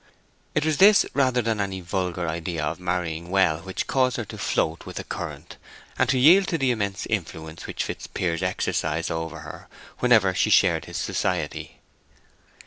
It was this rather than any vulgar idea of marrying well which caused her to float with the current, and to yield to the immense influence which Fitzpiers exercised over her whenever she shared his society.